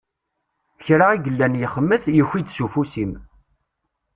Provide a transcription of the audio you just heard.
Kra i yellan yexmet, yuki-d s ufus-im.